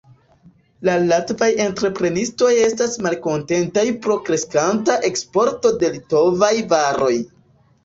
La latvaj entreprenistoj estas malkontentaj pro kreskanta eksporto de litovaj varoj.